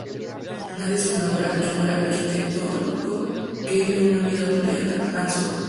El nazi es ahora un arquitecto que vive una vida ordenada, Hans Fromm.